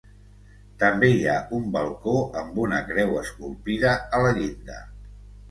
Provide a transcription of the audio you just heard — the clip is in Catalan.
També hi ha un balcó amb una creu esculpida a la llinda.